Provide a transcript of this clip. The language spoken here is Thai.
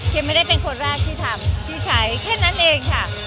ไม่ได้เป็นคนแรกที่ทำที่ใช้แค่นั้นเองค่ะ